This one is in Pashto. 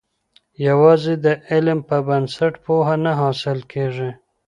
یوازي د علم په بنسټ پوهه نه حاصل کېږي.